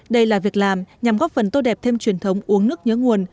đây là việc làm nhằm góp phần tô đẹp thêm truyền thống uống nước nhớ nguồn